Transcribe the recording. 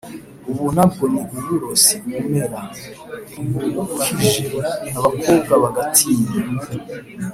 “Ubu na bwo ni uburo si ubumera?”(ntiburuhije). Abakobwa bagatinya